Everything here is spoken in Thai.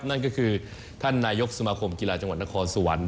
นั่นก็คือท่านนายกสมาคมกีฬาจังหวัดนครสวรรค์